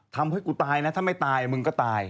ทำให้กูตายนะถ้าไม่ตายมึงก็ตาย